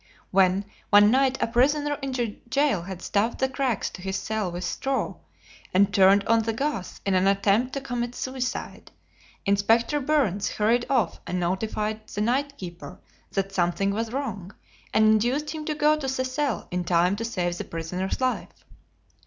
When, one night, a prisoner in the jail had stuffed the cracks to his cell with straw, and turned on the gas in an attempt to commit suicide, "Inspector Byrnes" hurried off and notified the night keeper that something was wrong, and induced him to go to the cell in time to save the prisoner's life.